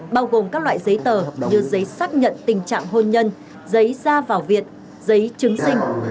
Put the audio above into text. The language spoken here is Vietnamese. bao gồm các loại giấy tờ như giấy xác nhận tình trạng hôn nhân giấy ra vào viện giấy chứng sinh